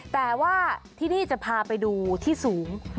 แต่ว่าที่นี่จะพาไปดูที่สูง